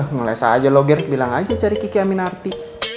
ngele le saja loh ger bilang aja cari kiki aminarti